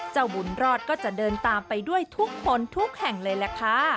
บุญรอดก็จะเดินตามไปด้วยทุกคนทุกแห่งเลยล่ะค่ะ